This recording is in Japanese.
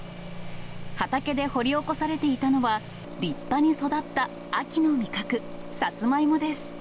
畑で掘り起こされていたのは、立派に育った秋の味覚、サツマイモです。